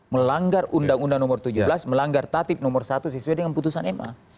melanggar undang undang nomor tujuh belas melanggar tatip nomor satu sesuai dengan putusan ma